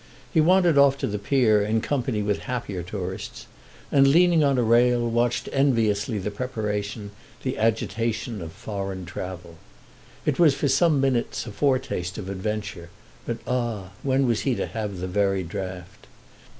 He wandered off to the pier in company with happier tourists and, leaning on a rail, watched enviously the preparation, the agitation of foreign travel. It was for some minutes a foretaste of adventure; but, ah, when was he to have the very draught?